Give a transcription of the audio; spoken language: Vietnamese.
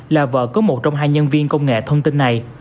là vợ có một trong hai nhân viên công nghệ thông tin này